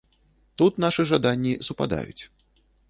Тут нашы жаданні супадаюць.